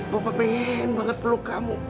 bapak pengen banget peluk kamu